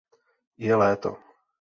Je léto.